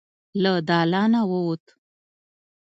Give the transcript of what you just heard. له دالانه ووت.